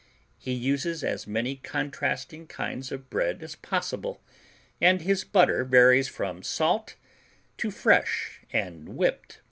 He uses as many contrasting kinds of bread as possible, and his butter varies from salt to fresh and whipped.